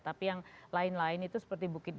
tapi yang lain lain itu seperti bukit